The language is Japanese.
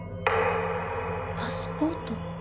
パスポート？